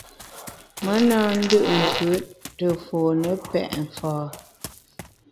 Me na ndù’nkùt te fone pèt mfâ.